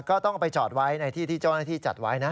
ก็ต้องเอาไปจอดไว้ในที่ที่เจ้าหน้าที่จัดไว้นะ